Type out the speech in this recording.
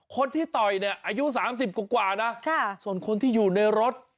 คนที่ต่อยเนี่ยอายุ๓๐กว่านะส่วนคนที่อยู่ในรถ